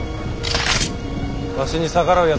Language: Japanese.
わしに逆らうやつは斬る。